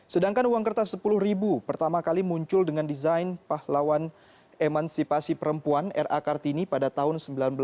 sedangkan uang kertas sepuluh pertama kali muncul dengan desain pahlawan emansipasi perempuan r a kartini pada tahun seribu sembilan ratus sembilan puluh